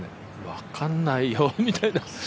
分からないよみたいな。